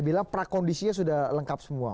bilang prakondisinya sudah lengkap semua